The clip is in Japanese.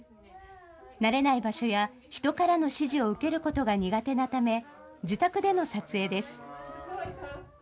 慣れない場所や、人からの指示を受けることが苦手なため自宅での撮影です。